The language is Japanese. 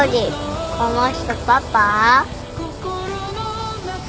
この人パパ？